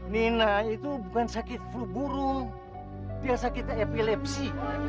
nina itu bukan sakit peburung dia sakit epilepsi